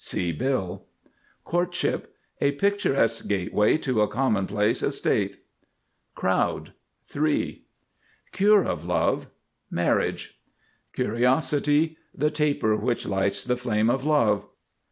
See bill. COURTSHIP. A picturesque gateway to a commonplace estate. CROWD. 3. CURE, of Love. Marriage. CURIOSITY. The taper which lights the flame of Love.